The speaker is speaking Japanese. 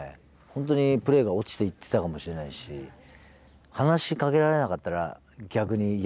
本当にプレーが落ちていってたかもしれないし話しかけられなかったら逆に嫌じゃないですか。